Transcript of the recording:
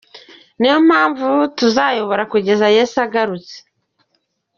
Niyo mpamvu tuzayobora kugeza Yesu agarutse…”